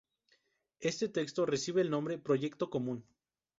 Este texto recibe el nombre "proyecto común".